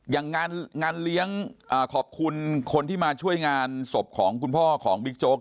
งานเลี้ยงขอบคุณคนที่มาช่วยงานศพของคุณพ่อของบิ๊กโจ๊ก